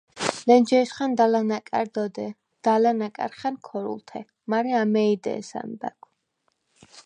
ლენჯე̄შხა̈ნ და̈ლა̈ ნაკა̈რთ’ ო̄დე, და̈ლა̈ ნაკა̈რხა̈ნ – ქორულთე, მარე ამეი დე̄ს’ ა̈მბა̈გვ.